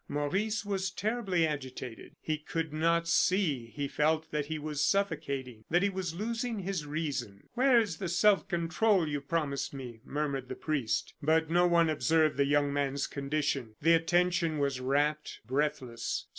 Maurice was terribly agitated; he could not see, he felt that he was suffocating, that he was losing his reason. "Where is the self control you promised me?" murmured the priest. But no one observed the young man's condition. The attention was rapt, breathless.